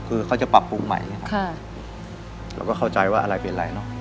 คือเขาจะปรับปรุงใหม่เราก็เข้าใจว่าอะไรเป็นอะไรเนอะ